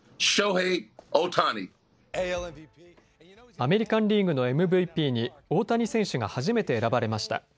アメリカンリーグのＭＶＰに大谷選手が初めて選ばれました。